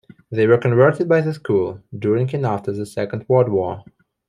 They were converted by the school during and after the Second World War.